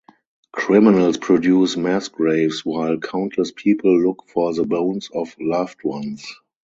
Criminals produce mass graves while countless people look for the bones of loved ones.